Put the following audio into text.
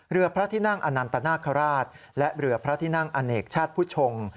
เรือพระที่นั่งอนันตนาคาราชและเรือพระที่นั่งอเนกชาติผู้ชง